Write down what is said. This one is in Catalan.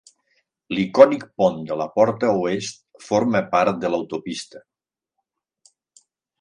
L'icònic pont de la porta oest forma part de l'autopista.